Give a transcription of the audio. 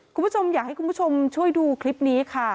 คุณผู้ชมอยากให้คุณผู้ชมช่วยดูคลิปนี้ค่ะ